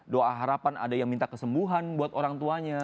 doa harapan ada yang minta kesembuhan buat orang tuanya